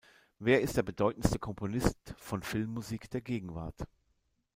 Wer ist der bedeutendste Komponist von Filmmusik der Gegenwart?